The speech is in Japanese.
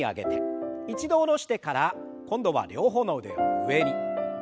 一度下ろしてから今度は両方の腕を上に。